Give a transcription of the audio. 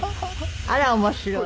あら面白い。